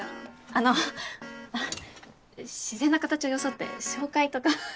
あの自然な形を装って紹介とか。